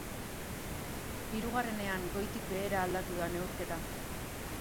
Hirugarrenean goitik behera aldatu da neurketa.